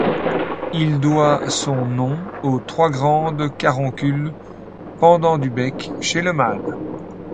Il doit son nom aux trois grandes caroncules pendant du bec chez le mâle.